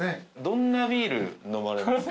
どんなビール飲まれます？